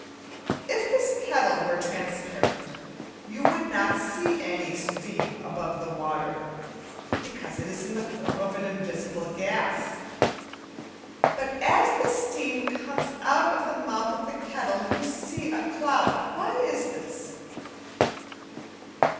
If this kettle were transparent you would not see any steam above the water, because it is in the form of an invisible gas. But as the steam comes out of the mouth of the kettle you see a cloud. Why is this?